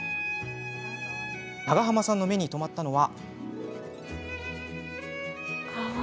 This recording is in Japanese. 長濱さんの目に留まったのは。